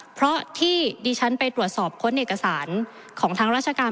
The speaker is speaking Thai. เพราะที่ดิฉันไปตรวจสอบค้นเอกสารของทางราชการ